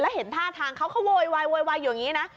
แล้วเห็นท่าทางเขาเขาโวยอยู่อย่างนี้นะ